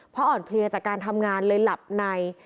เพราะอ่อนเพลียจากการทำงานเลยหลับใน